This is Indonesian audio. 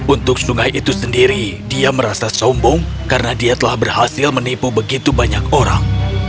untuk sungai itu sendiri dia merasa sombong karena dia telah berhasil menipu begitu banyak orang